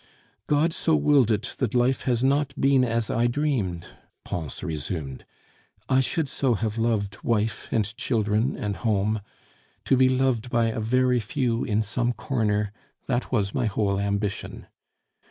"God so willed it that life has not been as I dreamed," Pons resumed. "I should so have loved wife and children and home.... To be loved by a very few in some corner that was my whole ambition!